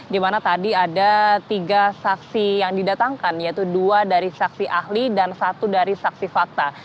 di mana tadi ada tiga saksi yang didatangkan yaitu dua dari saksi ahli dan satu dari saksi fakta